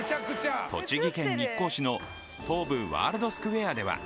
「栃木県日光市の東武ワールドスクウェアでは」